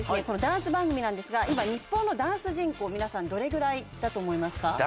このダンス番組なんですが今日本のダンス人口皆さんどれぐらいだと思いますか？